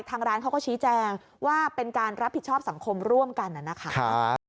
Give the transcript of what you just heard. ทางร้านเขาก็ชี้แจงว่าเป็นการรับผิดชอบสังคมร่วมกันนะครับ